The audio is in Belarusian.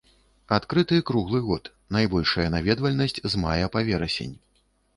Адкрыты круглы год, найбольшая наведвальнасць з мая па верасень.